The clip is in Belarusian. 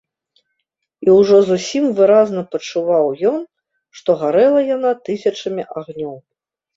І ўжо зусім выразна пачуваў ён, што гарэла яна тысячамі агнёў.